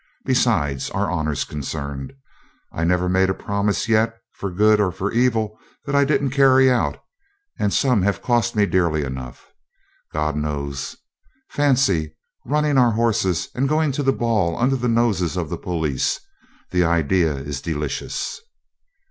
Besides, our honour's concerned. I never made a promise yet, for good or for evil, that I didn't carry out, and some have cost me dearly enough, God knows. Fancy running our horses and going to the ball under the noses of the police the idea is delicious!'